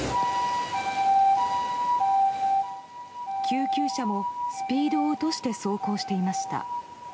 救急車もスピードを落として走行していました。